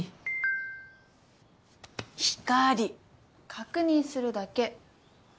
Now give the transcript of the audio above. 確認するだけ。